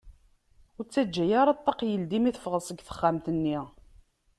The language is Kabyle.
Ur ttaǧǧa ara ṭṭaq yeldi mi teffɣeḍ seg texxamt-nni.